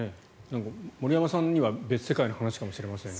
森山さんには別世界の話かもしれません。